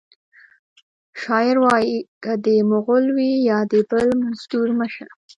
شاعر وایی که د مغل وي یا د بل مزدور مه شه